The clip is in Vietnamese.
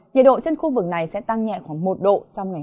nhiệt độ trên khu vực này sẽ tăng nhẹ khoảng một độ trong ngày hai mươi